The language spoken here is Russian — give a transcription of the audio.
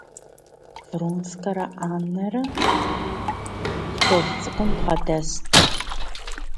Вронский и Анна продолжали сидеть у маленького стола.